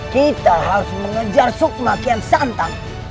kita harus mengejar sukma kian santang